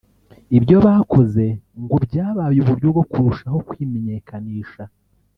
Ibyo bakoze ngo byabaye uburyo bwo kurushaho kwimenyekanisha